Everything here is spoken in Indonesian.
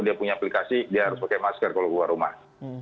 dia punya aplikasi dia harus pakai masker kalau keluar rumah